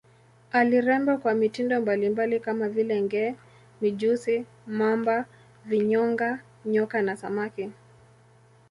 Aliremba kwa mitindo mbalimbali kama vile nge, mijusi, mamba, vinyonga, nyoka na samaki.